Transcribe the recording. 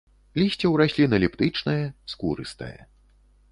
Лісце ў раслін эліптычнае, скурыстае.